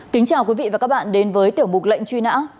kính chào quý vị và các bạn đến với tiểu mục lệnh truy nã